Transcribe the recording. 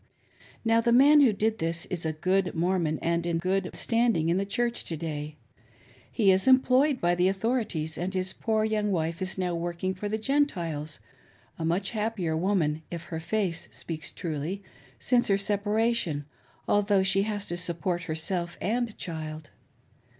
Now the man who did this is a good Mormon in good standing in the Church to day. He is employed by the authorities and his poor young wife is now working for the Gentiles — a much happier woman, if her face speaks truly, since her separation, although she has to support herself and child.